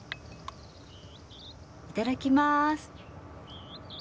いただきまーす。